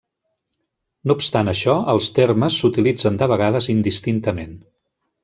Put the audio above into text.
No obstant això, els termes s'utilitzen de vegades indistintament.